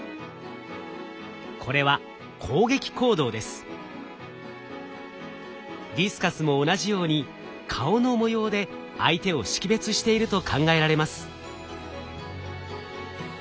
これはディスカスも同じように顔の模様で相手を識別していると考えられます。